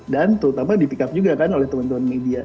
dan tuh tambah dipikap juga kan oleh teman teman media